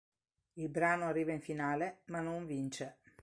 Il brano arriva in finale ma non vince.